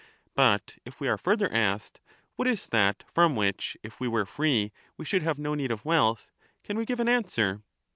But if we are further asked, What is that from which, if we were free, we should have no need of wealth? can we give an answer?